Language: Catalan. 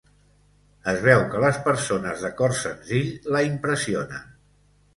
Es veu que les persones de cor senzill la impressionen.